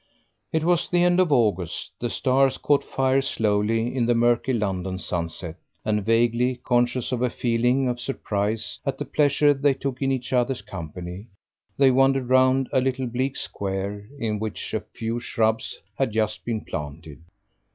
It was the end of August; the stars caught fire slowly in the murky London sunset; and, vaguely conscious of a feeling of surprise at the pleasure they took in each other's company, they wandered round a little bleak square in which a few shrubs had just been planted.